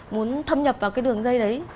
muốn thâm nhập vào cái đường dây đấy